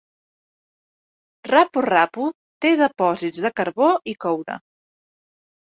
Rapu-Rapu té depòsits de carbó i coure.